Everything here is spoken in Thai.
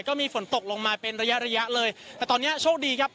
ก็มีฝนตกลงมาเป็นระยะระยะเลยแต่ตอนเนี้ยโชคดีครับ